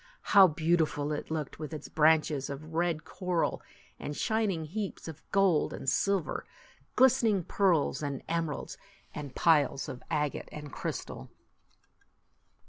How beautiful it looked, with its branches of red coral, and shining heaps of gold and silver, glistening pearls and emeralds, and piles of agate and crystal